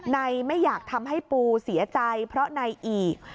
ในไม่อยากทำให้ปูเสียใจเพราะในอีก